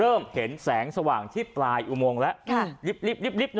เริ่มเห็นแสงสว่างที่ปลายอุโมงแล้ว